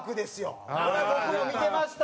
これ僕も見てました。